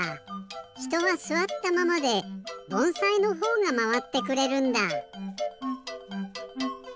ひとはすわったままでぼんさいのほうがまわってくれるんだ。